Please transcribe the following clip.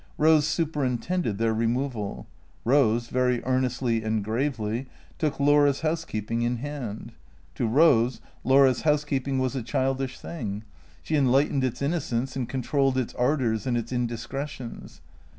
Rose superintended their removal. Rose, very earnestly and gravely, took Laura's housekeeping in hand. To Rose, Laura's house 318 THE CREATOES 319 keeping was a childish thing. She enlightened its innocence and controlled its ardours and its indiscretions.